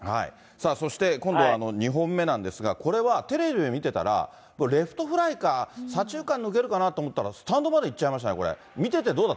さあ、そして今度は２本目なんですが、これはテレビで見てたら、レフトフライか、左中間抜けるかなと思ったら、スタンドまで行っちゃいましたね。